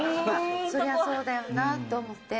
そりゃそうだよなと思って。